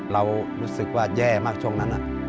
เรารู้สึกว่าแย่มากช่วงนั้น